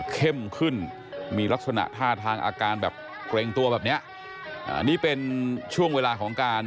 ขึ้นมีลักษณะท่าทางอาการแบบเกรงตัวแบบเนี้ยอันนี้เป็นช่วงเวลาของการ